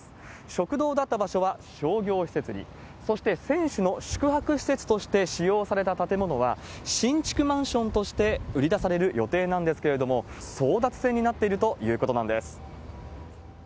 食堂だった場所は商業施設に、そして選手の宿泊施設として使用された建物は新築マンションとして売り出される予定なんですけれども、争奪戦になっているということなんです。